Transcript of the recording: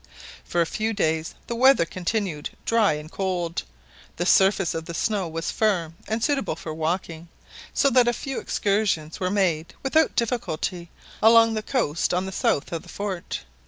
For a few days the weather continued dry and cold, the surface of the snow was firm and suitable for walking, so that a few excursions were made without difficulty along the coast on the south of the fort.